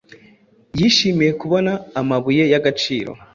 yishimiye kubona amabuye yagaciro